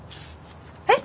えっ？